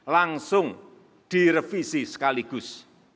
langsung direvisi sekaligus